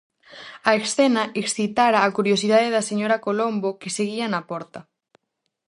A escena excitara a curiosidade da señora Colombo, que seguía na porta.